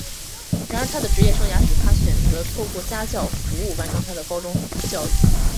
然而他的职业生涯使他选择透过家教服务完成他的高中教育。